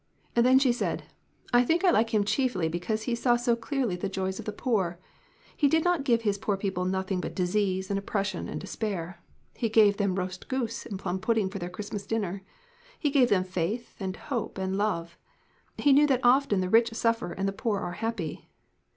Then she said: "I think I like him chiefly because he saw so clearly the joys of the poor. He did not give his poor people nothing but disease and op pression and despair. He gave them roast goose and plum pudding for their Christmas dinner he gave them faith and hope and love. He knew that often the rich suffer and the poor are happy.